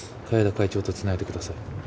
海江田会長とつないでください。